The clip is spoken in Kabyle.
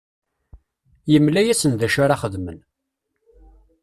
Yemla-asen d acu ara xedmen.